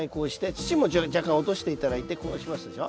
土も若干落として頂いてこうしますでしょ。